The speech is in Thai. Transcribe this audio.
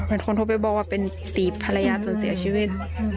เป็นคนโทรไปบอกว่าเป็นตีบภรรยาจนเสียชีวิต